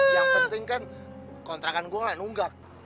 yang penting kan kontrakan gue gak nunggak